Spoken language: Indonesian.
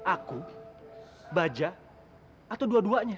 aku baja atau dua duanya